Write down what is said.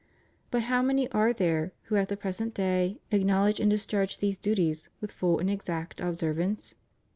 But how many are there who at the present day acknowledge and discharge these duties with full and exact observance?